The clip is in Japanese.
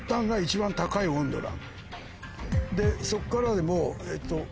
でそこからでも。